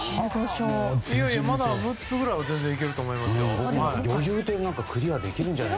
まだ６つぐらいは全然いけると思いますよ。